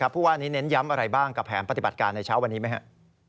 ผู้ว่านี้เน้นย้ำอะไรบ้างกับแผนปฏิบัติการในเช้าวันนี้ไหมครับ